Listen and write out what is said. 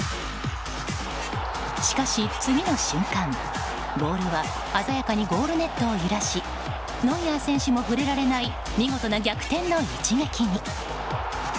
しかし、次の瞬間、ボールは鮮やかにゴールネットを揺らしノイアー選手も触れられない見事な逆転の一撃に。